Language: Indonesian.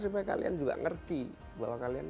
supaya kalian juga ngerti bahwa kalian